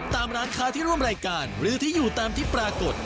ตามร้านค้าที่ร่วมรายการหรือที่อยู่ตามที่ปรากฏ